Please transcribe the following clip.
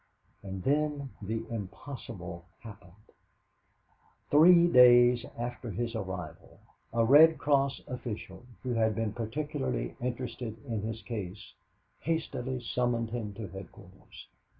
And then the impossible happened. Three days after his arrival, a Red Cross official, who had been particularly interested in his case, hastily summoned him to headquarters.